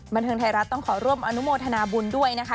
บันเทิงไทยรัฐต้องขอร่วมอนุโมทนาบุญด้วยนะคะ